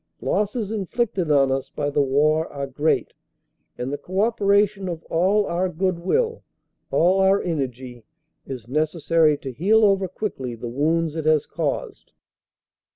Losses inflicted on us by the war are great, and the co opera tion of all our goodwill, all our energy, is necessary to heal over quickly the wounds it has caused.